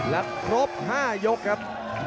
และครบ๕ยกครับ